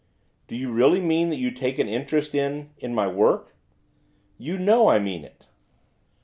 'Do you really mean that you take an interest in in my work?' 'You know I mean it.